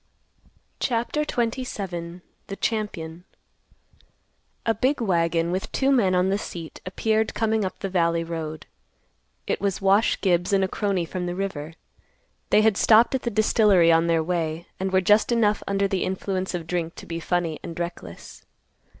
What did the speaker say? CHAPTER XXVII. THE CHAMPION. A big wagon, with two men on the seat, appeared coming up the valley road. It was Wash Gibbs and a crony from the river. They had stopped at the distillery on their way, and were just enough under the influence of drink to be funny and reckless.